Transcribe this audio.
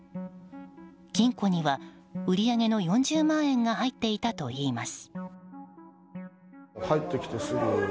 金庫には、売り上げの４０万円が入っていたといいます。